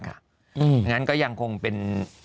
ทั้งงานก็ยังควรเป็น